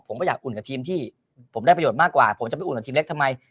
ผมก็อยากอุ่นกับทีมที่ผมได้ประโยชน์มากกว่าผมจะไปอุ่นกับทีมเล็กทำไม